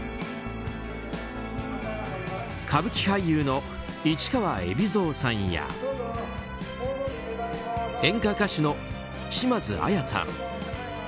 歌舞伎俳優の市川海老蔵さんや演歌歌手の島津亜矢さん